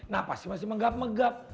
napasnya masih menggap megap